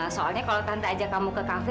soalnya kalau tante ajak kamu ke kafe